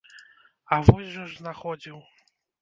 А вось жа ж знаходзіў!